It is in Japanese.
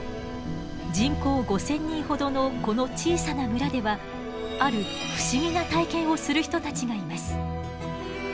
人口５，０００人ほどのこの小さな村ではある不思議な体験をする人たちがいます。